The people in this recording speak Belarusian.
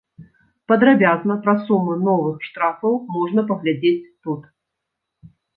Падрабязна пра сумы новых штрафаў можна паглядзець тут.